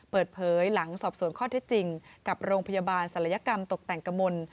เปิดเผยหลังสอบสวนข้อเท็จจริงกับโรงพยาบาลศัลยกรรมตกแต่งกระมน